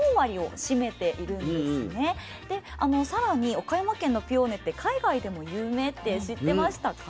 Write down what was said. でさらに岡山県のピオーネって海外でも有名って知ってましたか？